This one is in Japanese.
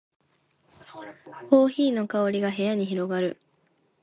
コーヒーの香りが部屋に広がる